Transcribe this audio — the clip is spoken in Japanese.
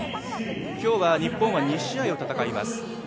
今日は日本は２試合を戦います。